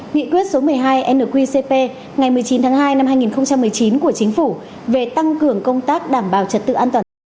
nghị quyết số một mươi hai nqcp ngày một mươi chín tháng hai năm hai nghìn một mươi chín của chính phủ về tăng cường công tác đảm bảo trật tự an toàn